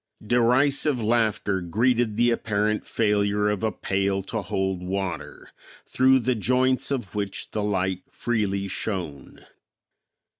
Derisive laughter greeted the apparent failure of a pail to hold water, through the joints of which the light freely shone.